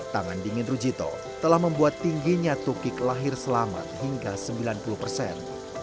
tangan dingin rujito telah membuat tingginya tukik lahir selamat hingga sembilan puluh persen